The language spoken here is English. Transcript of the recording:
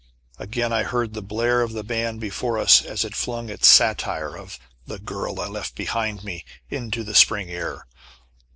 Again I heard the blare of the band before us as it flung its satire of "The Girl I Left Behind Me," into the spring air.